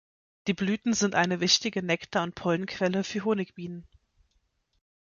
Die Blüten sind eine wichtige Nektar- und Pollenquelle für Honigbienen.